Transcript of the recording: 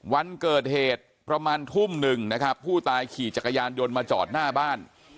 วันเกิดเหตุประมาณทุ่มหนึ่งนะครับผู้ตายขี่จักรยานยนต์มาจอดหน้าบ้าน